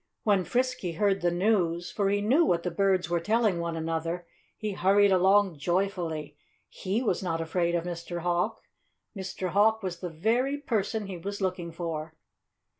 When Frisky heard the news for he knew what the birds were telling one another he hurried along joyfully. He was not afraid of Mr. Hawk. Mr. Hawk was the very person he was looking for.